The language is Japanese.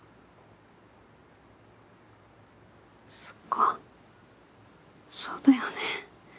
そっかそうだよね。